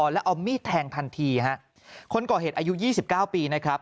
แล้วเอามีดแทงทันทีคนก่อเหตุอายุ๒๙ปี